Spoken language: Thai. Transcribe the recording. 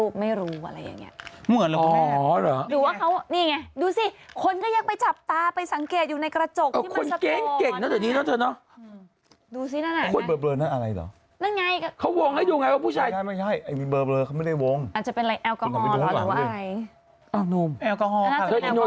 ใครเป็นคนถ่ายรูปไม่รู้อะไรอย่างนี้